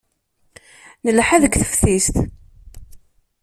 Nelḥa deg teftist.